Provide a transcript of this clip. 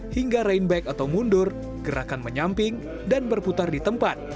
hingga rainback atau mundur gerakan menyamping dan berputar di tempat